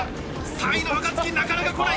３位の若槻、なかなか来ない。